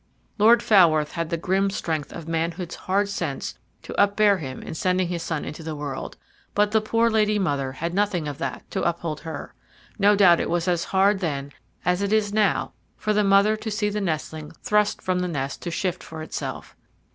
Lord Falworth had the grim strength of manhood's hard sense to upbear him in sending his son into the world, but the poor lady mother had nothing of that to uphold her. No doubt it was as hard then as it is now for the mother to see the nestling thrust from the nest to shift for itself.